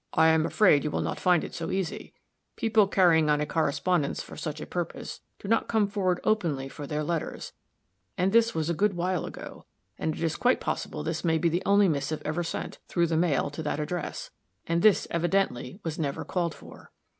"I am afraid you will not find it so easy. People carrying on a correspondence for such a purpose, do not come forward openly for their letters and this was a good while ago and it is quite possible this may be the only missive ever sent, through the mail, to that address and this, evidently, was never called for."